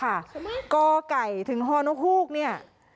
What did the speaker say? กล้าไก่ถึงฮ่อนกล้าฮูกนี่